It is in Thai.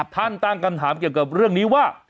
ท่านต้างกันถามเกี่ยวกับเรื่องนี้ว่า